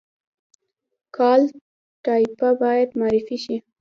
کالтура باید معرفي شي